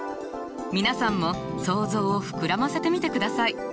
皆さんも想像を膨らませてみてください。